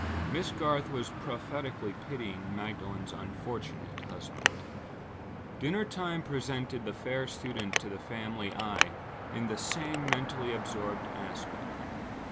Miss Garth was prophetically pitying Magdalen's unfortunate husband. Dinner time presented the fair student to the family eye in the same mentally absorbed aspect.